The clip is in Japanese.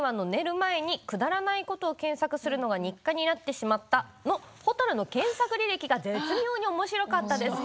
前にくだらないことを検索するのが日課になってしまったのほたるの検索履歴が絶妙におもしろかったです。